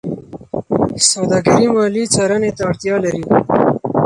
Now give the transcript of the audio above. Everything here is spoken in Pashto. سوداګري مالي څارنې ته اړتیا لري.